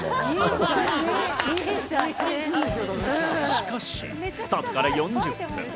しかし、スタートから４０分。